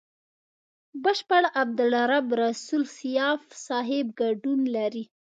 بشپړ عبدالرب رسول سياف صاحب ګډون لري.